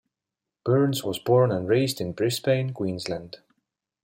Burns was born and raised in Brisbane, Queensland.